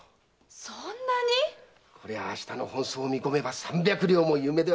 そんなに⁉こりゃ明日の本葬を見込めば三百両も夢ではない。